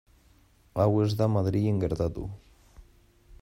Hau ez da Madrilen gertatu.